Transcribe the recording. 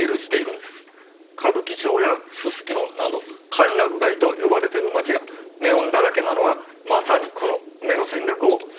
歌舞伎町やすすきのなど歓楽街と呼ばれてる街がネオンだらけなのはまさにこのウメの戦略を参考にしているのは